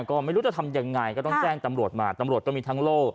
ก็ไม่รู้จะทำยังไงก็ต้องแจ้งตำรวจมาตำรวจก็มีทั้งโล่